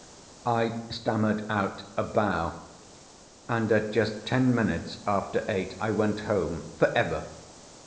I stammered out a bow, and at just ten minutes after eight I went home—for ever.